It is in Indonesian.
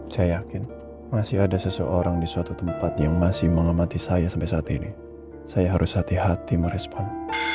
saya yakin masih ada seseorang di suatu tempat yang masih mengamati saya sampai saat ini saya harus hati hati merespon